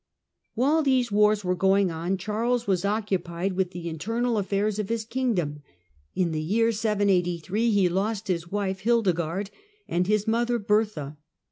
While these wars were going on Charles was oc Domestic cupied with the internal affairs of his kingdom. In the year 783 he lost his wife Hildegarde and his mother Bertha.